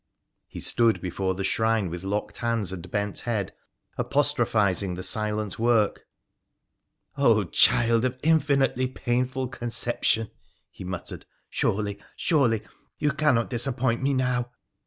He stood before the shrine with locked hands and bent head, apostro 300 WONDERFUL ADVENTURES OF phising the silent work. ' Oh, child of infinitely painful conception,' he muttered, ' surely — surely you cannot dis appoint me now